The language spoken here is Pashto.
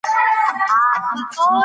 دا ژبه لرغونی تاريخ لري.